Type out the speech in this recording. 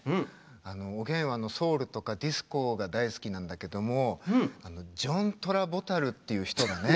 おげんはソウルとかディスコが大好きなんだけどもジョン・トラボタルっていう人がね。